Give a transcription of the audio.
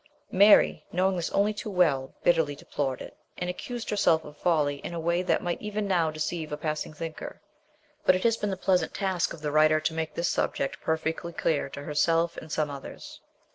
Mary, knowing this only too well, bitterly deplored it, and accused herself of folly in a way that might even now deceive a passing thinker; but it has been the pleasant task of the writer to make this subject perfectly clear to herself, and some others.